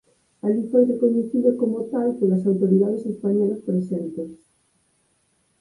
Alí foi recoñecido como tal polas autoridades españolas presentes.